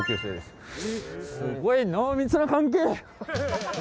すごい濃密な関係！